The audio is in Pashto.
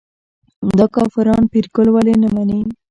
دا کافران پیرګل ولې نه مني.